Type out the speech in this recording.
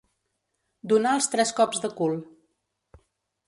Donar els tres cops de cul.